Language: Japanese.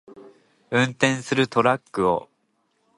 運転するトラックを